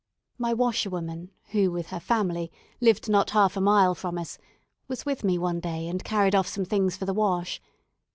My washerwoman, who, with her family, lived not half a mile from us, was with me one day, and carried off some things for the wash.